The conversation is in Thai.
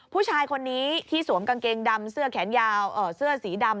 ผู้ชายคนนี้ที่สวมกางเกงดำเสื้อแขนยาวเสื้อสีดำ